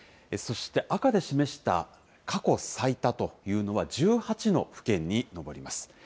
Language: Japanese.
そして赤で示した過去最多というのは、１８の府県に上ります。